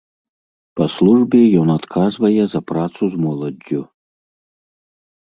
Па службе ён адказвае за працу з моладдзю.